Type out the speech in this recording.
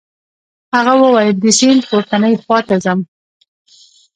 هغه وویل د سیند پورتنۍ خواته ځم.